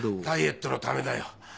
ダイエットのためだよ。